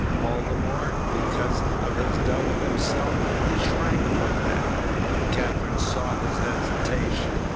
All the more, because of his doubt of himself, he shrank from that. Katherine saw his hesitation.